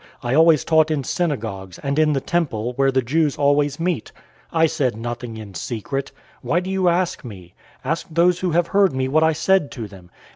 I always taught in synagogues, and in the temple, where the Jews always meet. I said nothing in secret. 018:021 Why do you ask me? Ask those who have heard me what I said to them.